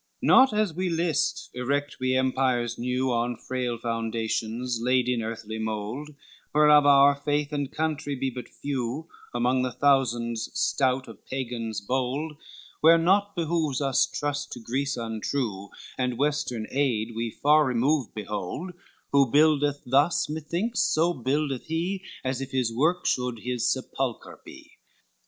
XXV "Not as we list erect we empires new On frail foundations laid in earthly mould, Where of our faith and country be but few Among the thousands stout of Pagans bold, Where naught behoves us trust to Greece untrue, And Western aid we far removed behold: Who buildeth thus, methinks, so buildeth he, As if his work should his sepulchre be.